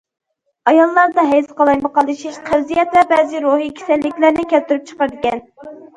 ئاياللاردا ھەيز قالايمىقانلىشىش، قەۋزىيەت ۋە بەزى روھىي كېسەللىكلەرنى كەلتۈرۈپ چىقىرىدىكەن.